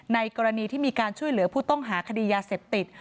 กรณีที่มีการช่วยเหลือผู้ต้องหาคดียาเสพติด